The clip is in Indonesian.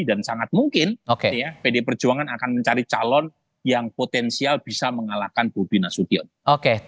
dan sangat mungkin pd perjuangan akan mencari calon yang potensial bisa mengalahkan bobi nasution